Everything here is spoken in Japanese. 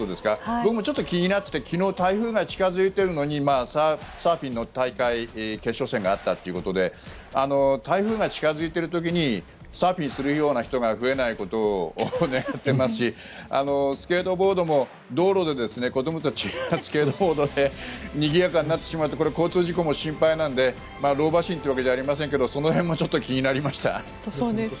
僕もちょっと気になってて昨日、台風が近付いているのにサーフィンの大会決勝戦があったということで台風が近付いている時にサーフィンをするような人が増えないことを願ってますしスケートボードも道路で子どもたちがスケートボードでにぎやかになってしまうと交通事故も心配なので老婆心というわけじゃありませんがその辺も気になりました。